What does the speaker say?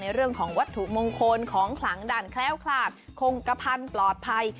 เรื่องของวัตถุมงคลของขลังด่านแคล้วคลาดคงกระพันธุ์ปลอดภัย